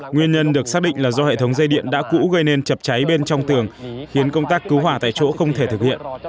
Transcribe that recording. nguyên nhân được xác định là do hệ thống dây điện đã cũ gây nên chập cháy bên trong tường khiến công tác cứu hỏa tại chỗ không thể thực hiện